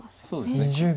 そうですね。